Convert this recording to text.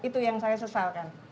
itu yang saya sesalkan